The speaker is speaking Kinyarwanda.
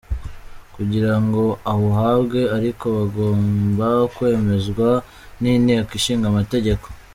Kugira ngo awuhabwe ariko bigomba kwemezwa n’Inteko Ishinga Amategeko.